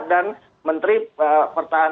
dan menteri pertahanan